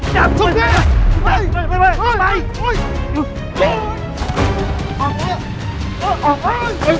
ช่วยสลบหนอย